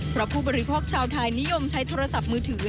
เพราะผู้บริโภคชาวไทยนิยมใช้โทรศัพท์มือถือ